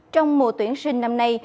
trong mùa tuyển sinh năm nay